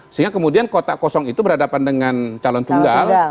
sehingga kemudian kotak kosong itu berhadapan dengan calon tunggal